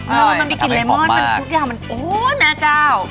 มันมีกลิ่นเลมอนมันทุกอย่างมันอ้วนนะเจ้า